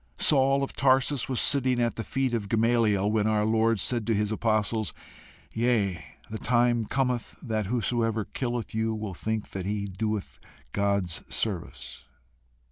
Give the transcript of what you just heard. Saul of Tarsus was sitting at the feet of Gamaliel when our Lord said to his apostles "Yea, the time cometh, that whosoever killeth you will think that he doeth God service."